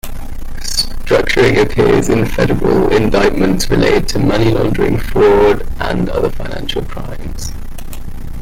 Structuring appears in federal indictments related to money laundering, fraud, and other financial crimes.